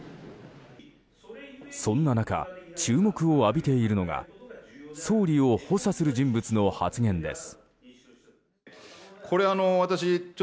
そんな中、注目を浴びているのが総理を補佐する人物の発言です。